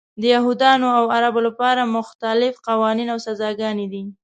د یهودانو او عربو لپاره مختلف قوانین او سزاګانې دي.